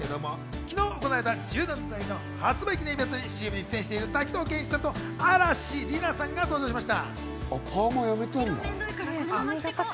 昨日行われた柔軟剤の発売記念イベントにＣＭに出演している滝藤賢一さんと嵐莉菜さんが登場しました。